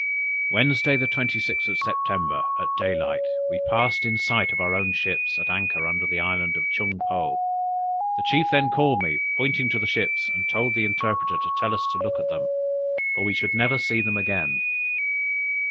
"Wednesday the 26th of September, at day light, we passed in sight of our own ships, at anchor under the island of Chun Po. The chief then called me, pointed to the ships, and told the interpreter to tell us to look at them, for we should never see them again!